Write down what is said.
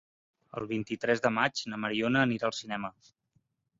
El vint-i-tres de maig na Mariona anirà al cinema.